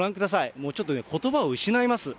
もうちょっとね、ことばを失います。